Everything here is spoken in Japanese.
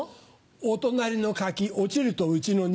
お隣のカキ落ちるとうちの庭。